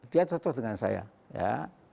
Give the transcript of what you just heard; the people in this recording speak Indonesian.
dia cocok dengan saya ya